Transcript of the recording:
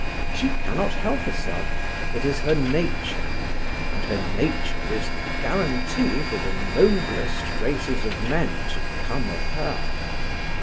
She cannot help herself; it is her nature, and her nature is the guarantee for the noblest races of men to come of her.